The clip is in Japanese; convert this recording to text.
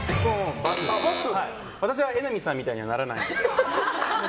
私は榎並アナみたいにはならない。